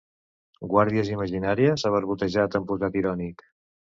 Guàrdies imaginàries, ha barbotejat amb posat irònic.